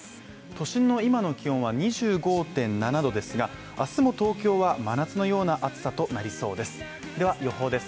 都心の今の気温は２５．７度ですが、明日も東京は真夏のような暑さとなりそうです。